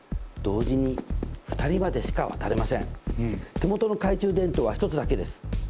手元の懐中電灯は１つだけです。